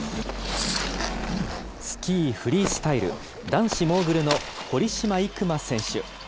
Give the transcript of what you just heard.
スキーフリースタイル男子モーグルの堀島行真選手。